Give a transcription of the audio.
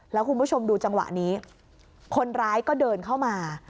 แล้วคุณผู้ชมดูจังหวะนี้คนร้ายก็เดินเข้ามา